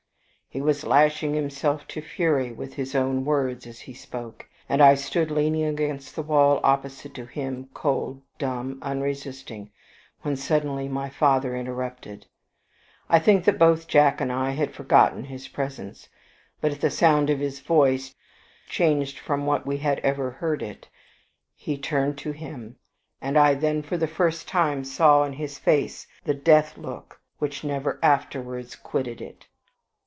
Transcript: He was lashing himself to fury with his own words as he spoke; and I stood leaning against the wall opposite to him, cold, dumb, unresisting, when suddenly my father interrupted. I think that both Jack and I had forgotten his presence; but at the sound of his voice, changed from what we had ever heard it, we turned to him, and I then for the first time saw in his face the death look which never afterwards quitted it.